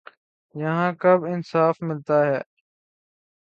یہاں کب انصاف ملتا ہے